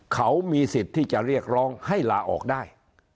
เขามีสิทธิ์ที่จะเรียกร้องให้ลาออกได้